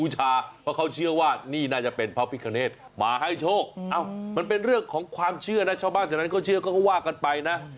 เชื่อนะเช่าบ้างแต่เชื่อก็ว่ากันไปนะ